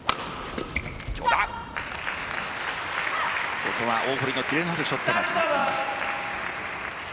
ここは大堀のキレのあるショットが決まっています。